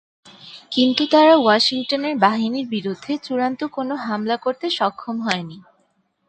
কিন্তু তারা ওয়াশিংটনের বাহিনীর বিরুদ্ধে চূড়ান্ত কোনো হামলা করতে সক্ষম হয়নি।